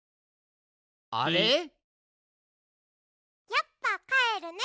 やっぱかえるね。